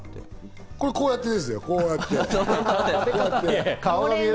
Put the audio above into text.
こうやってですよ、こうやって。